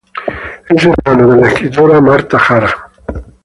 Es hermano de la escritora Marta Jara.